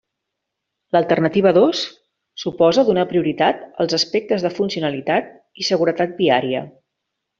L'alternativa dos suposa donar prioritat als aspectes de funcionalitat i seguretat viària.